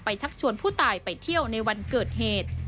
ชักชวนผู้ตายไปเที่ยวในวันเกิดเหตุ